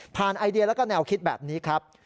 ไอเดียแล้วก็แนวคิดแบบนี้ครับ